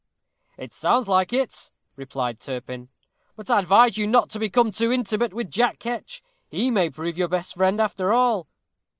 "It sounds like it," replied Turpin; "but I advise you not to become too intimate with Jack Ketch. He may prove your best friend, after all."